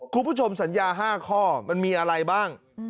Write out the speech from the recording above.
คุณผู้ชมสัญญา๕ข้อมันมีอะไรบ้าง